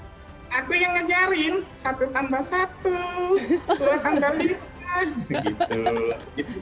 aku yang ngajarin satu tambah satu gitu tambah lima